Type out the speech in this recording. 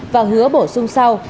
và hứa bổ sung sau